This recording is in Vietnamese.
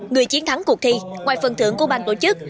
người chiến thắng cuộc thi ngoài phần thưởng của ban tổ chức